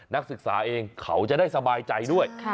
นักศึกษาเองเขาจะได้สบายใจด้วย